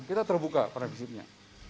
kita terbuka pada bisipnya